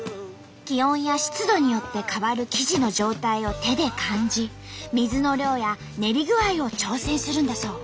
気温や湿度によって変わる生地の状態を手で感じ水の量や練り具合を調整するんだそう。